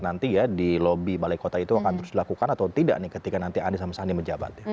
nanti ya di lobi balai kota itu akan terus dilakukan atau tidak nih ketika nanti anies sama sandi menjabat